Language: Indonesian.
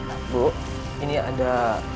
ibu ini ada